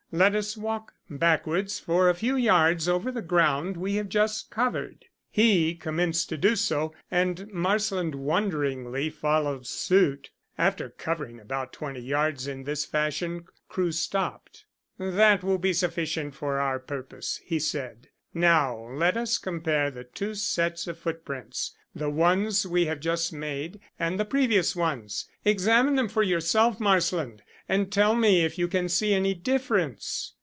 "Let us walk backwards for a few yards over the ground we have just covered." He commenced to do so, and Marsland wonderingly followed suit. After covering about twenty yards in this fashion Crewe stopped. "That will be sufficient for our purpose," he said. "Now let us compare the two sets of footprints the ones we have just made, and the previous ones. Examine them for yourself, Marsland, and tell me if you can see any difference."